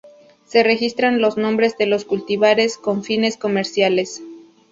Se registran los nombres de los cultivares con fines comerciales.